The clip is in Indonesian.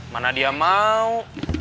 mana dia mau